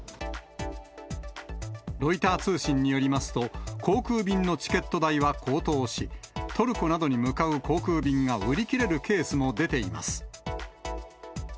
ロイター通信によりますと、航空便のチケット代は高騰し、トルコなどに向かう航空便が売り切れるケースも出ています。